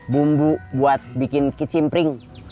bumbu buat bikin kicimpring